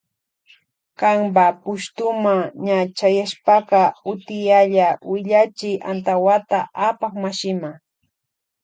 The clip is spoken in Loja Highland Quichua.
Kanpa pushtuma ña chayashpaka utiyalla willachi antawata apak mashima.